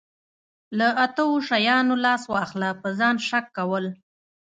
له اتو شیانو لاس واخله په ځان شک کول.